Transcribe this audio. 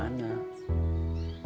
itu kan esy udah jawab